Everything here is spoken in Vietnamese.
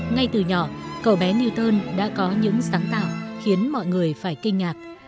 ngay từ nhỏ cậu bé newton đã có những sáng tạo khiến mọi người phải kinh ngạc